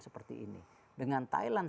seperti ini dengan thailand